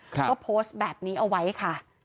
ก็โพสต์แบบนี้เอาไว้ค่ะ